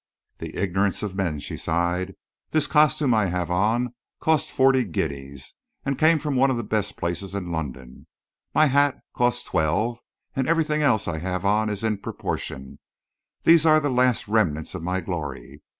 "The ignorance of men!" she sighed. "This costume I have on cost forty guineas and came from one of the best places in London. My hat cost twelve, and everything else I have on is in proportion. These are the last remnants of my glory.